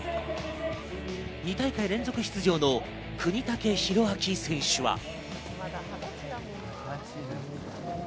２大会連続出場の國武大晃選手は。